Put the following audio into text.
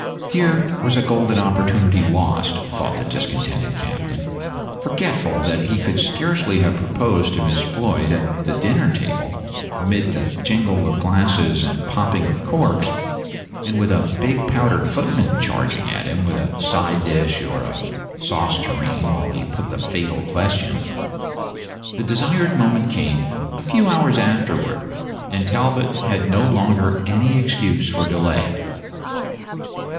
Here was a golden opportunity lost, thought the discontented captain, forgetful that he could scarcely have proposed to Miss Floyd at the dinner table, amid the jingle of glasses and popping of corks, and with a big powdered footman charging at him with a side dish or a sauce tureen while he put the fatal question. The desired moment came a few hours afterward, and Talbot had no longer any excuse for delay.